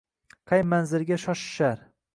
Qay manzilga shoshishar